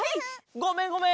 ごめんごめん！